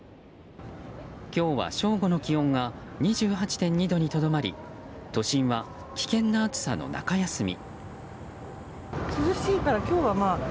今日は正午の気温が２８．２度にとどまり都心は危険な暑さの中休み。